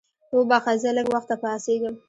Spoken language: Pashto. وبخښه زه لږ وخته پاڅېږم.